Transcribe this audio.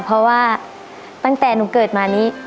เพราะว่าตั้งแต่หนูเกิดมานี้